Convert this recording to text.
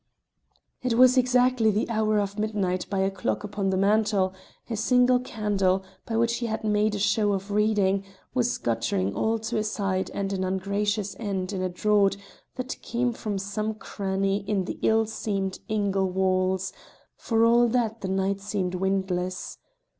It was exactly the hour of midnight by a clock upon the mantel; a single candle, by which he had made a show of reading, was guttering all to a side and an ungracious end in a draught that came from some cranny in the ill seamed ingle walls, for all that the night seemed windless.